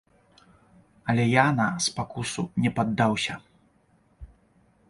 Але я на спакусу не паддаўся.